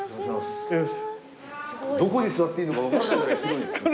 どこに座っていいのか分からないくらい広い。